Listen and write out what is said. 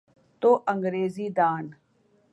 تو انگریزی دان۔